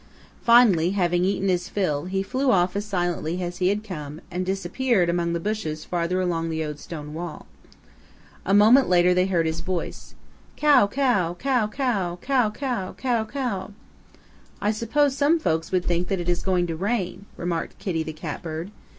Finally, having eaten his fill, he flew off as silently as he had come and disappeared among the bushes farther along the old stone wall. A moment later they heard his voice, "Kow kow how kow kow kow kow kow!" "I suppose some folks would think that it is going to rain," remarked Kitty the Catbird.